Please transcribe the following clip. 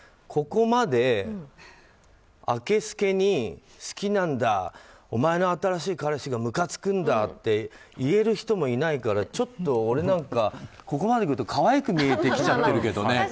ここまであけすけに好きなんだお前の新しい彼氏がむかつくんだ！って言える人もいないからちょっと俺なんかはここまで来ると可愛く見えてきちゃってるけどね。